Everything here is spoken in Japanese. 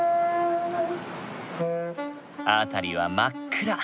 辺りは真っ暗。